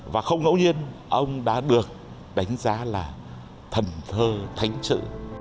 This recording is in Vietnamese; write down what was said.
và không ngẫu nhiên ông đã được đánh giá là thần thơ thánh trự